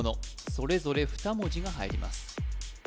それぞれ２文字が入ります